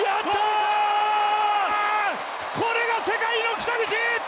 これが世界の北口！